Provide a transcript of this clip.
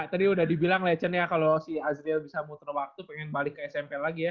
tadi udah dibilang lecehan ya kalau si azril bisa muter waktu pengen balik ke smp lagi ya